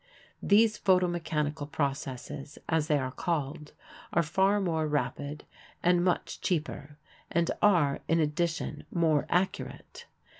These photo mechanical processes, as they are called, are far more rapid and much cheaper, and are, in addition, more accurate.